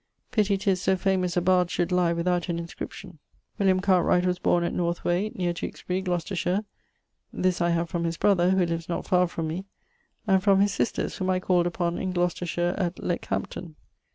Pitty 'tis so famous a bard should lye without an inscription. William Cartwright was borne at Northway neer Tewksbury, Gloucestershire this I have from his brother, who lives not far from me, and from his sisters whom I called upon in Glocestershire at Leckhamton.